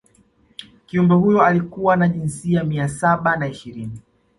kiumbe huyo alikuwa na jinsia mia saba na ishirini